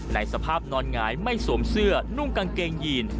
ในสภาพนอนหงายไม่สวมเสื้อนุ่งกางเกงยีน